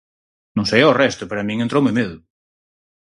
Non sei ao resto, pero a min entroume medo.